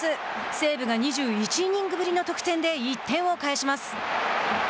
西武が２１イニングぶりの得点で、１点を返します。